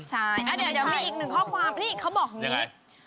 ใช่อ่ะเดี๋ยวมีอีก๑ข้อความนี่เขาบอกอย่างนี้